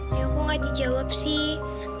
ini aku gak dijawab sih